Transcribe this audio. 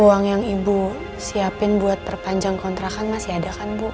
uang yang ibu siapin buat perpanjang kontrakan masih ada kan bu